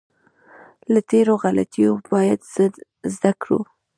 له تېرو غلطیو باید زده کړو.